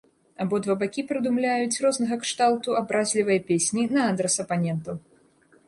Абодва бакі прыдумляюць рознага кшталту абразлівыя песні на адрас апанентаў.